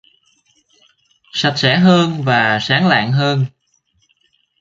Sạch sẽ hơn và sáng lạng hơn